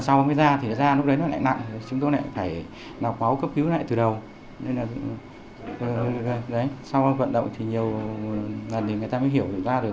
sau vận động thì nhiều lần người ta mới hiểu được ra rồi